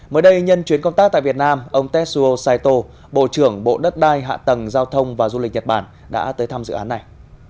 mới đây nhân chuyến công tác tại việt nam ông tetsuo saito bộ trưởng bộ đất đai hạ tầng giao thông và du lịch nhật bản đã tới thăm dự án này